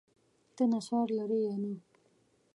ته نسوار لرې یا نه؟